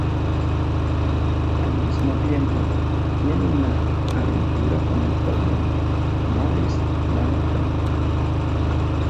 Al mismo tiempo, tiene una aventura con el coronel "Morris Langdon".